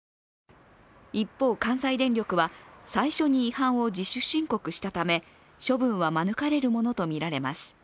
一方、関西電力は最初に違反を自主申告したため、処分は免れるものとみられます。